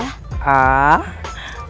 waktu itu kang koman mengevin saya